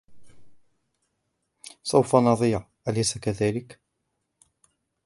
سوف نضيع ، أليس كذلك ؟